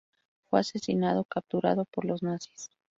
Fue asesinado, capturado por los nazis.